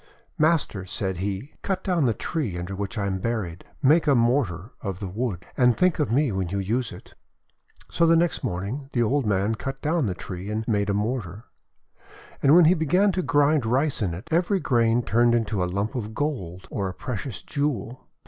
"Master," said he, :<cut down the tree under which I am buried. Make a mortar of the wood, and think of me when you use it." So the next morning, the old man cut down the tree and made a mortar. And when he began to grind Rice in it, every grain turned into a lump of gold or a precious jewel.